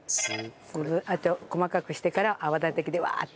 あと細かくしてから泡立て器でワーッ。